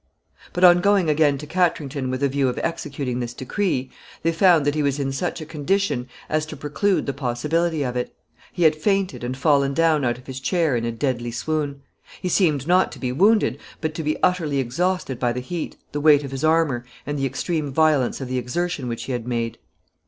But on going again to Katrington with a view of executing this decree, they found that he was in such a condition as to preclude the possibility of it. He had fainted and fallen down out of his chair in a deadly swoon. He seemed not to be wounded, but to be utterly exhausted by the heat, the weight of his armor, and the extreme violence of the exertion which he had made.